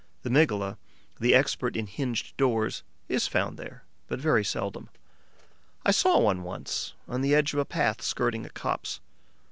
The Mygale, the expert in hinged doors, is found there, but very seldom. I saw one once, on the edge of a path skirting a copse.